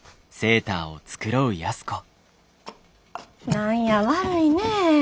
何や悪いねえ。